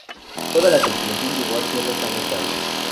Toda la tripulación llegó a tierra sana y salva.